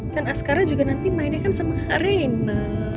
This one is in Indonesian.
dan askaran juga nanti mainnya kan sama kak rena